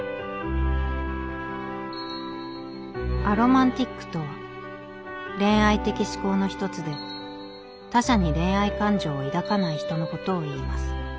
「アロマンティックとは恋愛的指向の一つで他者に恋愛感情を抱かない人のことをいいます」